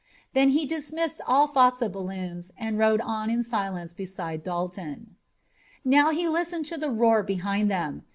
Then he dismissed all thoughts of balloons and rode on in silence beside Dalton. Now he listened to the roar behind them.